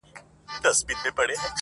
چې د بل په غم ښادې کوې ګډيږي